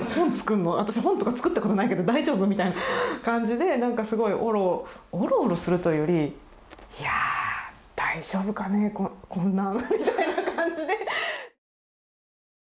私本とか作ったことないけど大丈夫？」みたいな感じでなんかすごいオロオロオロするというより「いや大丈夫かねこんなん」みたいな感じで。